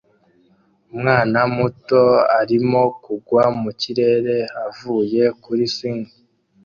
Umwana muto arimo kugwa mu kirere avuye kuri swing